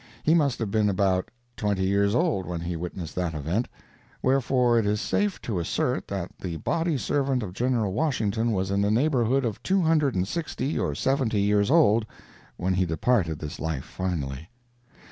He must have been about twenty years old when he witnessed that event, wherefore it is safe to assert that the body servant of General Washington was in the neighborhood of two hundred and sixty or seventy years old when he departed this life finally.